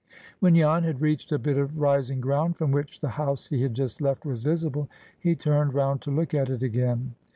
When Jan had reached a bit of rising ground, from which the house he had just left was visible, he turned round to look at it again.